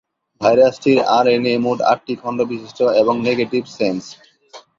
ভাইরাসটির RNA মোট আটটি খন্ড বিশিষ্ট এবং নেগেটিভ সেন্স।